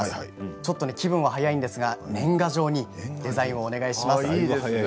ちょっと気分が早いんですが年賀状用にデザインをお願いします。